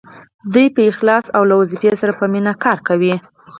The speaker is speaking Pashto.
دوی په اخلاص او له دندې سره په مینه کار کوي.